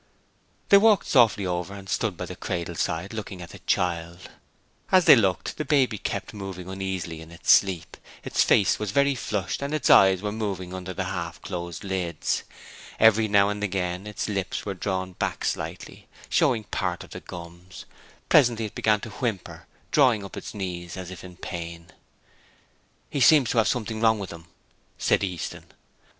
They walked softly over and stood by the cradle side looking at the child; as they looked the baby kept moving uneasily in its sleep. Its face was very flushed and its eyes were moving under the half closed lids. Every now and again its lips were drawn back slightly, showing part of the gums; presently it began to whimper, drawing up its knees as if in pain. 'He seems to have something wrong with him,' said Easton.